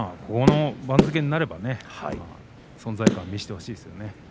この番付になればね存在感を見せてほしいですね。